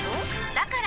だから！